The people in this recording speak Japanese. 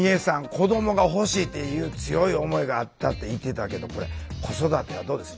子どもが欲しいっていう強い思いがあったって言ってたけどこれ子育てはどうです？